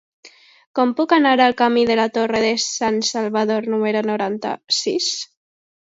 Com puc anar al camí de la Torre de Sansalvador número noranta-sis?